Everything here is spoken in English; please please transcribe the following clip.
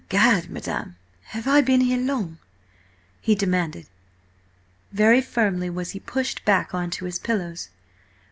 "Egad, madam! have I been here long?" he demanded. Very firmly was he pushed back on to his pillows.